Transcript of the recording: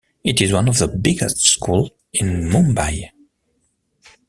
It is one of the biggest schools in Mumbai.